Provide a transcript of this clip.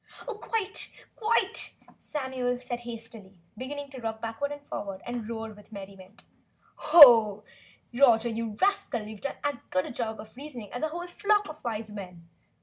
"Oh, quite! Quite!" Samuel began to rock backward and forward and roar with merriment. "Roger, you rascal, you've done as good a job of reasoning as a whole flock of Wise Men!